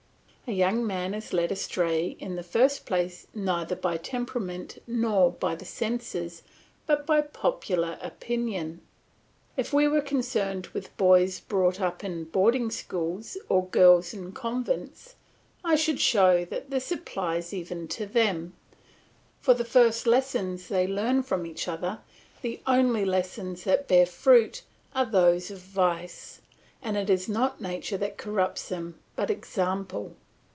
A young man is led astray in the first place neither by temperament nor by the senses, but by popular opinion. If we were concerned with boys brought up in boarding schools or girls in convents, I would show that this applies even to them; for the first lessons they learn from each other, the only lessons that bear fruit, are those of vice; and it is not nature that corrupts them but example.